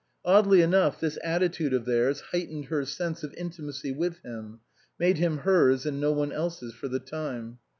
Oddly enough this attitude of theirs heightened her sense of intimacy with him, made him hers and no one else's for the time.